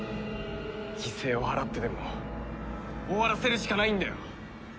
犠牲を払ってでも終わらせるしかないんだよ！